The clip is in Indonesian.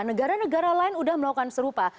negara negara lain sudah melakukan serupa